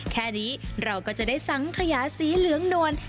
แค่นี้เราก็จะได้สังขยาสีเหลืองนวล